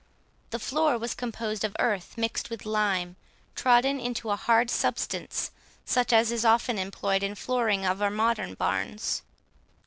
The floor was composed of earth mixed with lime, trodden into a hard substance, such as is often employed in flooring our modern barns.